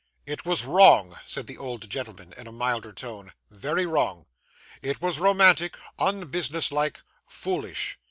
'It was wrong,' said the old gentleman in a milder tone, 'very wrong. It was romantic, unbusinesslike, foolish.